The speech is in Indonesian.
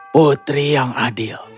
putri yang adil